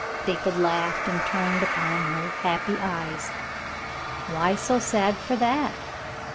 David laughed and turned upon her happy eyes. " Why so sad for that